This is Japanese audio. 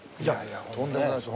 とんでもないです